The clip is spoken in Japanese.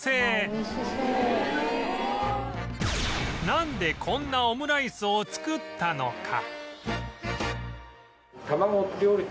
なんでこんなオムライスを作ったのか？